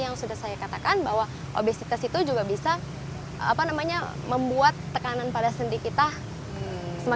yang sudah saya katakan bahwa obesitas itu juga bisa apa namanya membuat tekanan pada sendi kita semakin